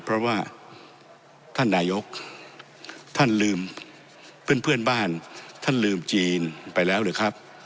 เพราะว่าท่านนายกท่านลืมเพื่อนเพื่อนบ้านท่านลืมจีนไปแล้วหรือครับ